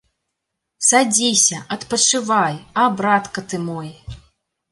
Садзіся, адпачывай, а братка ты мой!